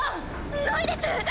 ないです！